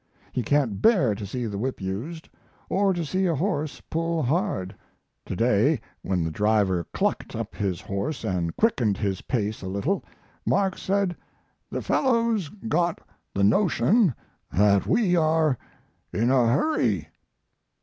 He can't bear to see the whip used, or to see a horse pull hard. To day, when the driver clucked up his horse and quickened his pace a little, Mark said, "The fellow's got the notion that we are in a hurry."